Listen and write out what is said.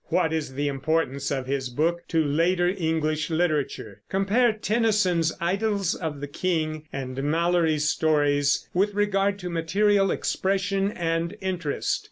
What is the importance of his book to later English literature? Compare Tennyson's "Idylls of the King" and Malory's stories with regard to material, expression, and interest.